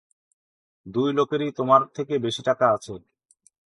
দুই লোকেরই তোমার থেকে বেশি টাকা আছে!